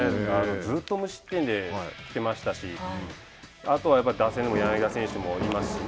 ずっと無失点できてましたしあとは打線も柳田選手もいますしね。